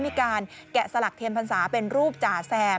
มีการแกะสลักเทียนพรรษาเป็นรูปจ่าแซม